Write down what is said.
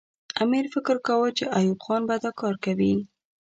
امیر فکر کاوه چې ایوب خان به دا کار کوي.